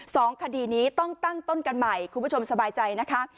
สองคดีนี้ต้องตั้งต้นกันใหม่คุณผู้ชมสบายใจนะคะ